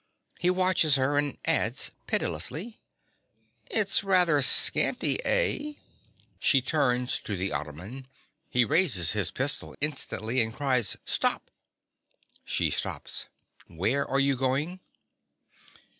He watches her, and adds, pitilessly_) It's rather scanty, eh? (She turns to the ottoman. He raises his pistol instantly, and cries) Stop! (She stops.) Where are you going?